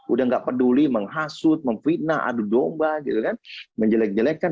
udah nggak peduli menghasut memfitnah adu domba menjelek jelekan